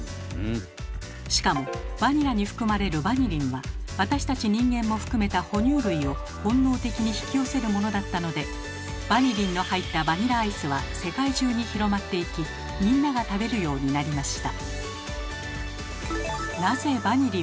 しかもバニラに含まれるバニリンは私たち人間も含めた哺乳類を本能的に引き寄せるものだったのでバニリンの入ったバニラアイスは世界中に広まっていきみんなが食べるようになりました。